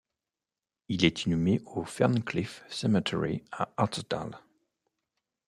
Il est inhumé au Ferncliff Cemetery à Hartsdale.